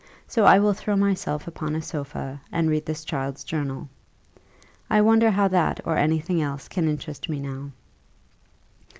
So I will throw myself upon a sofa, and read this child's journal. I wonder how that or any thing else can interest me now."